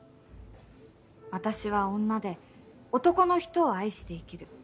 私は女で男の人を愛して生きる。